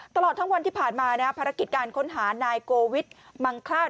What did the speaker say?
ตลอดทั้งวันที่ผ่านมาภารกิจการค้นหานายโกวิทมังคลาด